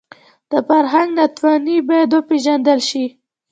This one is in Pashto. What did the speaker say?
د فرهنګ ناتواني باید وپېژندل شي